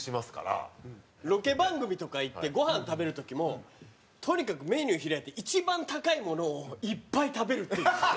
有吉：ロケ番組とか行ってごはん食べる時もとにかく、メニュー開いて一番高いものをいっぱい食べるっていう。